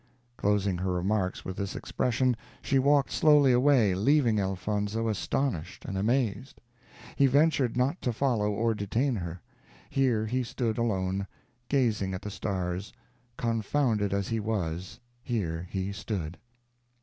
Closing her remarks with this expression, she walked slowly away, leaving Elfonzo astonished and amazed. He ventured not to follow or detain her. Here he stood alone, gazing at the stars; confounded as he was, here he stood.